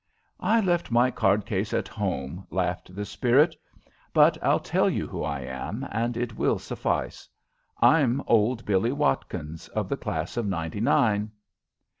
"I left my card case at home," laughed the spirit. "But I'll tell you who I am and it will suffice. I'm old Billie Watkins, of the class of ninety nine."